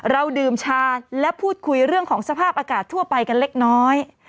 เราดื่มชาและพูดคุยเรื่องของสภาพอากาศทั่วไปกันเล็กน้อย